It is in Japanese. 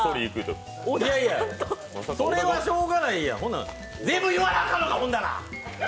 それはしょうがない、全部いわなあかんのか、ほんなら！